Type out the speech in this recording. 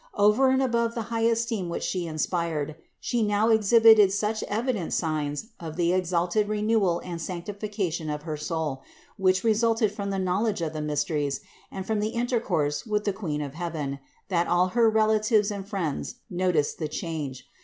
Over and above the high esteem which she inspired, she now exhibited such evident signs of the exalted renewal and sanctification of her soul, which resulted from the knowledge of the mysteries and from the intercourse with the Queen of heaven, that all her relatives and friends noticed the change.